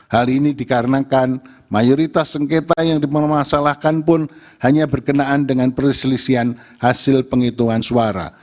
hal ini dikarenakan mayoritas sengketa yang dipermasalahkan pun hanya berkenaan dengan perselisihan hasil penghitungan suara